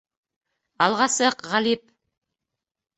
— Алға сыҡ, Ғалип!